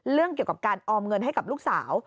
เรื่องเกี่ยวกับการออมเงินให้กับลูกสาว